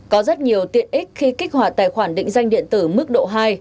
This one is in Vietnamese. có rất nhiều tiện ích khi kích hoạt tài khoản định danh điện tử mức độ hai